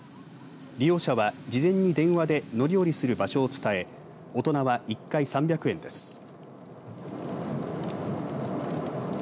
利用者は事前に電話で乗り降りする場所を伝え大人は１回３００円です。